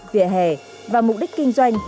vỉa hè và mục đích kinh doanh